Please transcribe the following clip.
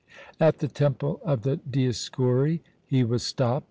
At the Temple of the Dioscuri he was stopped.